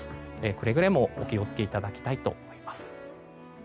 くれぐれもお気を付けいただきたいと思います。